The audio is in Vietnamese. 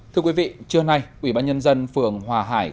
thưa quý vị trưa nay ủy ban nhân dân phường hòa hải